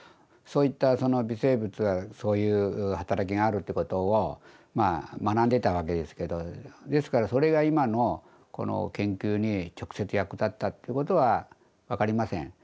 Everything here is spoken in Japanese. そういった微生物がそういう働きがあるってことを学んでたわけですけどですからそれが今のこの研究に直接役立ったっていうことは分かりません。